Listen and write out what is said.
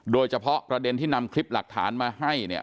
โดยเฉพาะประเด็นที่นำคลิปหลักฐานมาให้เนี่ย